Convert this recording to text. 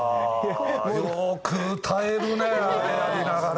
よく歌えるねあれやりながら。